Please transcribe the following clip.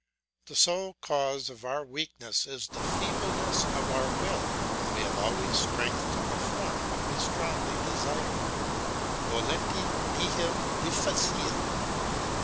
The sole cause of our weakness is the feebleness of our will, and we have always strength to perform what we strongly desire. "Volenti nihil difficile!"